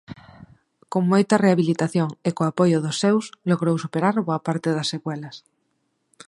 Con moita rehabilitación e co apoio dos seus logrou superar boa parte das secuelas.